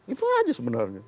itu saja sebenarnya